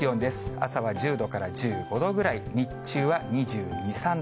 朝は１０度から１５度ぐらい、日中は２２、３度。